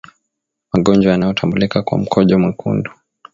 Magonjwa yanayotambulika kwa mkojo mwekundu